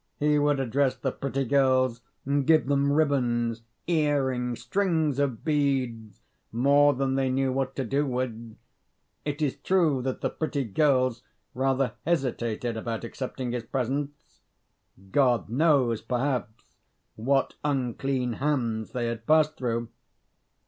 He would address the pretty girls, and give them ribbons, earrings, strings of beads more than they knew what to do with. It is true that the pretty girls rather hesitated about accepting his presents: God knows, perhaps, what unclean hands they had passed through.